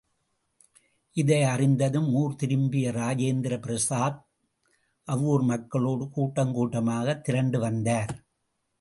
இதை அறிந்ததும் ஊர் திரும்பிய இராஜேந்திர பிரசாத் அவ்வூர் மக்களோடு கூட்டம் கூட்டமாகத் திரண்டு வந்தார்.